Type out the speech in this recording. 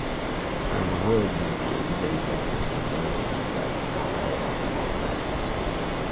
Ám a hölgy múltbéli ügyei egészen más megvilágításba helyezik a nyomozást.